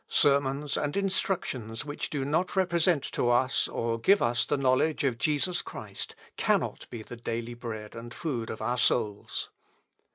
Sermons and instructions which do not represent to us, or give us the knowledge of Jesus Christ, cannot be the daily bread and food of our souls....